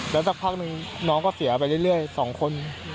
แล้วสักพักหนึ่งน้องก็เสียไปเรื่อย๒คน